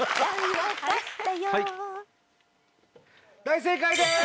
大正解です！